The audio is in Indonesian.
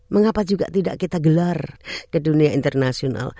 mengapa juga tidak kita gelar ke dunia internasional